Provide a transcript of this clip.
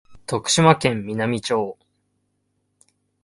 徳島県美波町